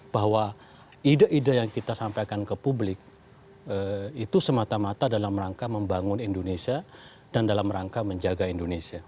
bahwa ide ide yang kita sampaikan ke publik itu semata mata dalam rangka membangun indonesia dan dalam rangka menjaga indonesia